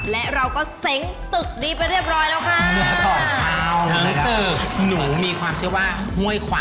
และเราก็เซ้งตึกนี้ไปเรียบร้อยแล้วค่ะ